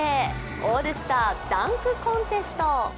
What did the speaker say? オールスター・ダンクコンテスト。